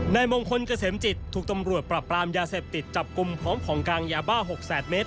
นายมงคลเกษมจิตถูกตำรวจปรับปรามยาเสพติดจับกลุ่มพร้อมของกลางยาบ้า๖แสนเมตร